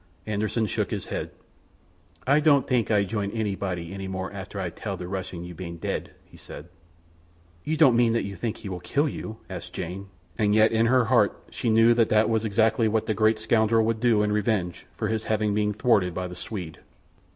Anderssen shook his head. "Ay don't tank Ay join anybody any more after Ay tal the Russian you ban dead," he said. "You don't mean that you think he will kill you?" asked Jane, and yet in her heart she knew that that was exactly what the great scoundrel would do in revenge for his having been thwarted by the Swede.